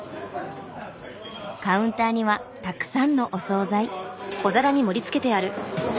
カウンターにはたくさんのお総菜。